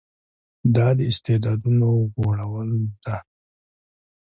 دا د استعدادونو غوړولو ده.